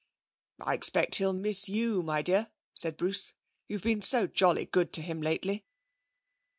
'I expect he'll miss you, my dear,' said Bruce. 'You've been so jolly good to him lately.'